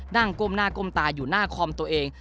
ก้มหน้าก้มตาอยู่หน้าคอมตัวเอง